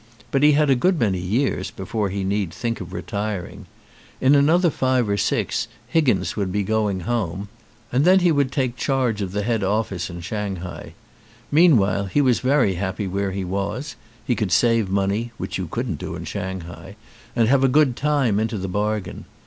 But he had a good many years before he need think of retiring. In another five or six Higgins would be going home and then he would take 194 THE TAIPAN charge of the head office in Shanghai. Mean while he was very happy where he was, he could save money, which you couldn't do in Shanghai, and have a good time into the bargain.